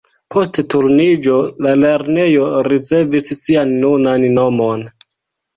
Post Turniĝo la lernejo ricevis sian nunan nomon.